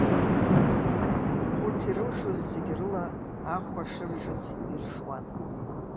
Урҭ ирылшоз зегь рыла ахәа шыржыц иржуан.